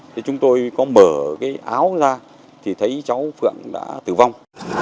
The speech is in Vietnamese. thì chúng tôi có mở cái áo ra thì thấy cháu phượng đã tử vong